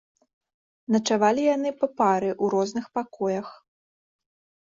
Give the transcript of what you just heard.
Начавалі яны па пары ў розных пакоях.